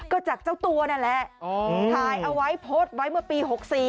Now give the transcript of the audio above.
ก็จากเจ้าตัวนั่นแหละถ่ายเอาไว้โพสต์ไว้เมื่อปี๖๔